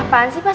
apaan sih pak